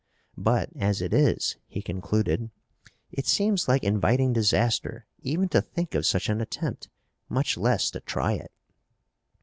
"But, as it is," he concluded, "it seems like inviting disaster even to think of such an attempt, much less to try it."